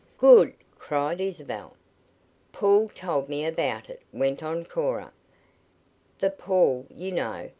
"Good!" cried Isabel. "Paul told me about it," went on Cora. "The Paul, you know.